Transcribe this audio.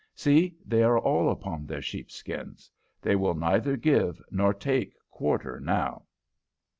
See, they are all upon their sheepskins. They will neither give nor take quarter now."